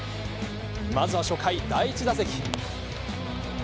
まずは初回第１打席。